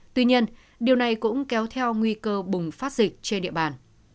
tuy nhiên điều này cũng kéo theo nguy cơ bùng phát dịch trên địa bàn